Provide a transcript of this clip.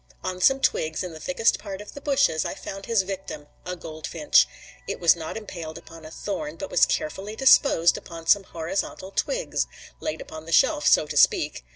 On some twigs in the thickest part of the bushes I found his victim, a goldfinch. It was not impaled upon a thorn, but was carefully disposed upon some horizontal twigs, laid upon the shelf, so to speak.